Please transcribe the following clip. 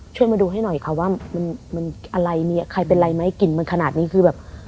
ช่วยมาดูให้หน่อยค่ะว่ามันอะไรมีใครเป็นอะไรไหมกลิ่นมันขนาดนี้คือแบบ